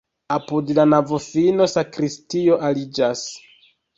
Apud la navofino sakristio aliĝas.